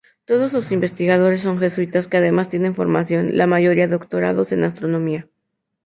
Todos sus investigadores son jesuitas que además tienen formación, la mayoría doctorados, en astronomía.